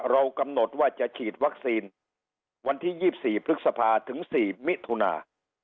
เรากำหนดว่าจะฉีดวัคซีนวันที่๒๔พฤษภาถึง๔มิถุนา